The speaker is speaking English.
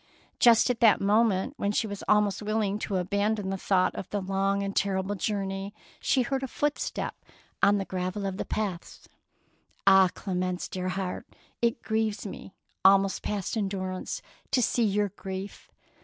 Just at that moment, when she was almost willing to abandon the thought of the long and terrible journey, she heard a footstep on the gravel of the paths. " Ah, Clemence, dear heart, it grieves me almost past endurance to see your grief.